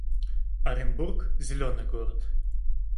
Оренбург — зелёный город